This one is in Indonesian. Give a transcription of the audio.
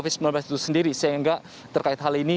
covid sembilan belas itu sendiri sehingga terkait hal ini